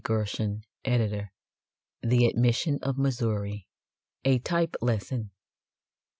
GERSON, Editor. THE ADMISSION OF MISSOURI. A Type Lesson.